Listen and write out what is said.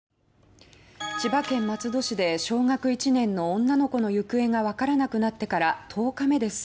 千葉県松戸市で小学１年の女の子の行方がわからなくなってから１０日目です。